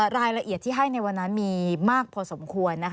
รายละเอียดที่ให้ในวันนั้นมีมากพอสมควร